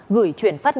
gửi truyền phát nhanh